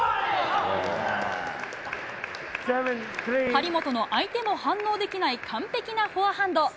張本の相手も反応できない完璧なフォアハンド。